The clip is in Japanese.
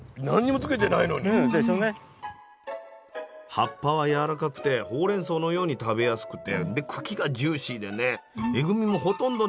葉っぱはやわらかくてほうれんそうのように食べやすくてで茎がジューシーでねえぐみもほとんどなくて味は絶品なんです。